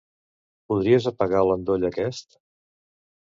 Podries apagar l'endoll aquest?